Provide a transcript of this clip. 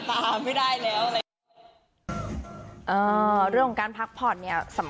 แต่แค่สิ้นเรื่องเวลา